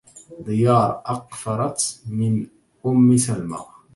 ديار أقفرت من أم سلمى